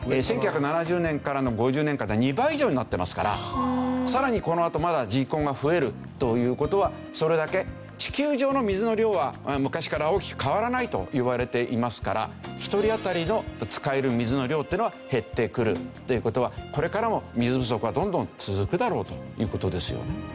１９７０年からの５０年間で２倍以上になってますからさらにこのあとまだ人口が増えるという事はそれだけ地球上の水の量は昔から大きく変わらないといわれていますから一人当たりの使える水の量っていうのは減ってくるという事はこれからも水不足はどんどん続くだろうという事ですよね。